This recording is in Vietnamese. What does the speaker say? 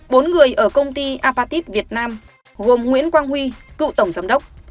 bốn người ở công ty apatit việt nam gồm nguyễn quang huy cựu tổng giám đốc